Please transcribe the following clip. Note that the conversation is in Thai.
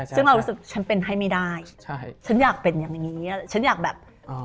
ซึ่งเรารู้สึกฉันเป็นให้ไม่ได้ใช่ฉันอยากเป็นอย่างงี้ฉันอยากแบบ